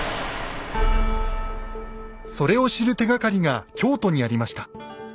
それを知る手がかりが京都にありました。